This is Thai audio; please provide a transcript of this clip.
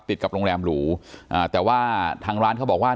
ติดกับโรงแรมหรูอ่าแต่ว่าทางร้านเขาบอกว่า